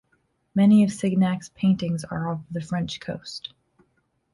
Many of Signac's paintings are of the French coast.